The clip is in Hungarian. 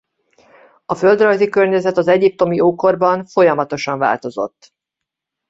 A földrajzi környezet az egyiptomi ókorban folyamatosan változott.